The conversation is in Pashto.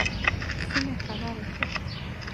سمې خبرې کړه .